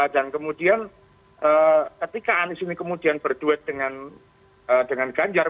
dan kemudian ketika anis ini kemudian berduet dengan ganjar